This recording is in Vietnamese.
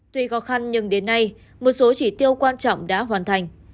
tuy khó khăn nhưng đến nay một số chỉ tiêu quan trọng đã hoàn thành